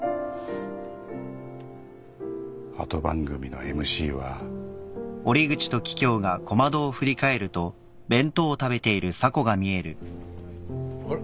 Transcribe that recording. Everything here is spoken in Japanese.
後番組のＭＣは。あれ？